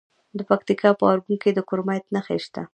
د پکتیکا په ارګون کې د کرومایټ نښې شته.